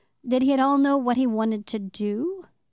Did he at all know what he wanted to do?